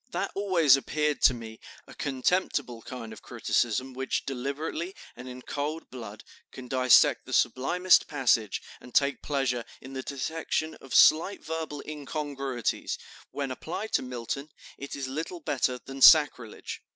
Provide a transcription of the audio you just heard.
That always appeared to me a contemptible kind of criticism which, deliberately and in cold blood, can dissect the sublimest passage, and take pleasure in the detection of slight verbal incongruities; when applied to Milton, it is little better than sacrilege."